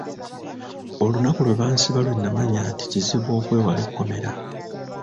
Olunaku lwe bansiba lwe namanya nti kizibu okwewala ekkomera.